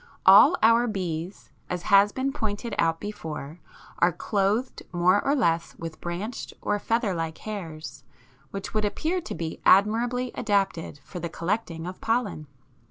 All our bees, as has been pointed out before, are clothed more or less with branched or feather like hairs, which would appear to be admirably adapted for the collecting of pollen.